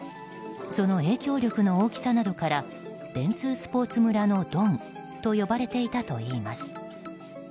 その影響力の大きさなどから電通スポーツ村のドンと呼ばれていたといいます。